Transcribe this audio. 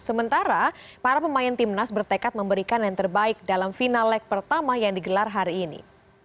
sementara para pemain timnas bertekad memberikan yang terbaik dalam final leg pertama yang digelar hari ini